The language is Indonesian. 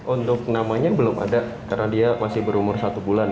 untuk namanya belum ada karena dia masih berumur satu bulan